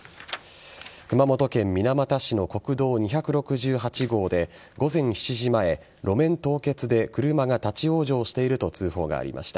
熊本県水俣市の国道２６８号で午前７時前、路面凍結で車が立ち往生していると通報がありました。